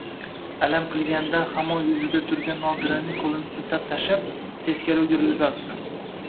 Alam qilganidan hamon yuzida turgan Nodiraning qo`lini siltab tashlab, teskari o`girilib yotdi